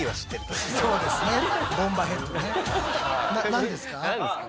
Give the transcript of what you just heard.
何ですか？